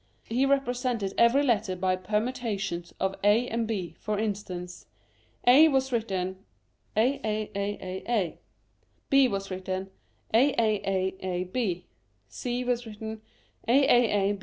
He represented every letter by permutations of a and b ; for instance, A was written aaaaa^ B was written aaaqb C „„ aaaba^ 1^ » j?